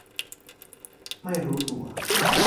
ไม่รู้ตัว